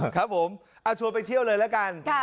ครับผมชวนไปเที่ยวเลยละกัน